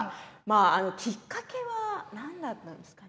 きっかけは何だったんですかね。